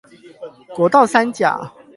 國道三甲